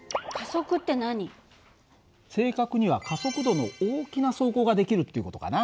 正確には加速度の大きな走行ができるっていう事かな。